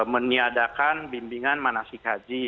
meniadakan bimbingan manasik haji